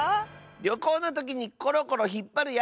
りょこうのときにコロコロひっぱるやつ！